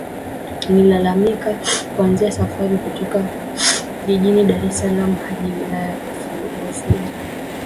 Nililazimika kuanza safari kutoka jijini Dar es Salaam hadi wilayani Rufiji